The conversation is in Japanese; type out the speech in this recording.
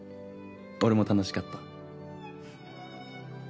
俺も楽しかった。